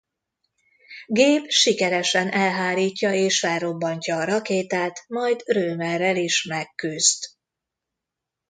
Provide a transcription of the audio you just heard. Gabe sikeresen elhárítja és felrobbantja a rakétát majd Rhoemer-rel is megküzd.